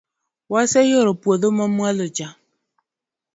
waseyoro puodho ma mwalo cha